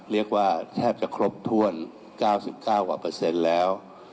เรียกว่าแทบจะครบถ้วน๙๙กว่าเปอร์เซ็นต์แล้ว